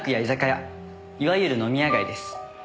いわゆる飲み屋街です。